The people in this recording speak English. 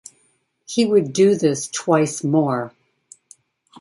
He would do this twice more.